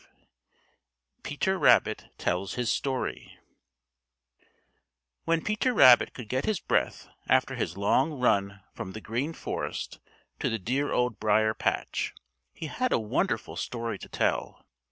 V PETER RABBIT TELLS HIS STORY When Peter Rabbit could get his breath after his long hard run from the Green Forest to the dear Old Briar patch, he had a wonderful story to tell.